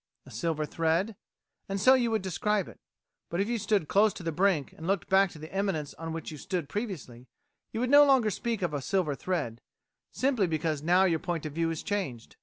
A silver thread; and so you would describe it. But if you stood close to the brink and looked back to the eminence on which you stood previously, you would no longer speak of a silver thread, simply because now your point of view is changed.